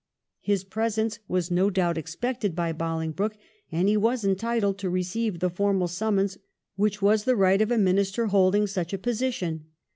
His presence was no doubt expected by Bohngbroke, and he was entitled to receive the formal summons which was the right of a Minister holding such a position.